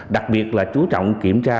đặc biệt là chú trọng kiểm tra